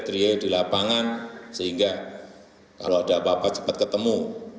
trio di lapangan sehingga kalau ada apa apa cepat ketemu